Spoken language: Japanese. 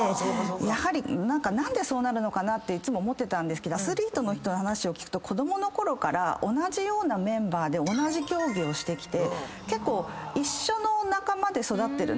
何でそうなるのかなっていつも思ってたんですけどアスリートの人の話を聞くと子供のころから同じようなメンバーで同じ競技をしてきて結構一緒の仲間で育ってるんですね。